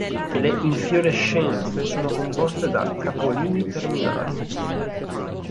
Le infiorescenze sono composte da capolini terminali.